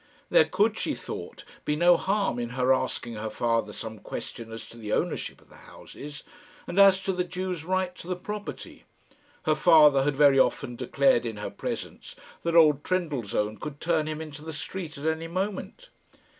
There could, she thought, be no harm in her asking her father some question as to the ownership of the houses, and as to the Jew's right to the property. Her father had very often declared in her presence that old Trendellsohn could turn him into the street at any moment.